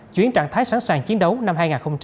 chuyến trạng thái sẵn sàng chiến đấu năm hai nghìn hai mươi